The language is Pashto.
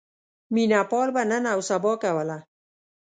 مینه پال به نن اوسبا کوله.